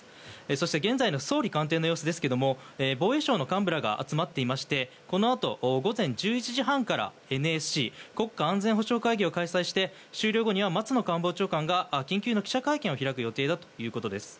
そして現在の総理官邸の様子ですが防衛省の幹部らが集まっていましてこのあと、午前１１時半からＮＳＣ・国家安全保障会議を開催して終了後には松野官房長官が緊急の記者会見を開く予定だということです。